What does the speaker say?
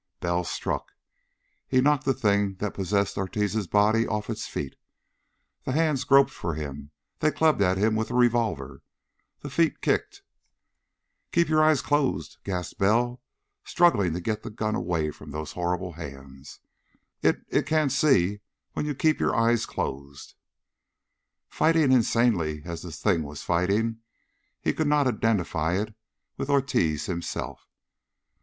Bell struck. He knocked the Thing that possessed Ortiz's body off its feet. The hands groped for him. They clubbed at him with the revolver. The feet kicked.... "Keep your eyes closed," gasped Bell, struggling to get the gun away from those horrible hands. "It it can't see when you keep your eyes closed!" Fighting insanely as the Thing was fighting, he could not identify it with Ortiz himself.